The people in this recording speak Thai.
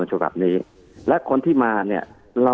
คุณหมอประเมินสถานการณ์บรรยากาศนอกสภาหน่อยได้ไหมคะ